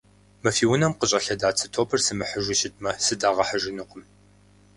Мы фи унэм къыщӀэлъэда цы топыр сымыхьыжу щытмэ, сыдагъэхьэжынукъым.